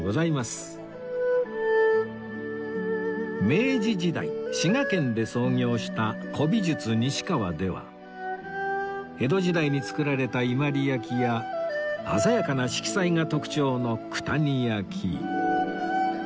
明治時代滋賀県で創業した古美術西川では江戸時代に作られた伊万里焼や鮮やかな色彩が特徴の九谷焼